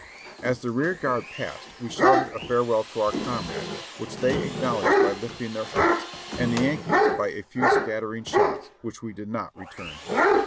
As the rear guard passed we shouted a farewell to our comrades, which they acknowledged by lifting their hats, and the Yankees by a few scattering shots, which we did not re turn.